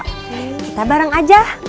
kita bareng aja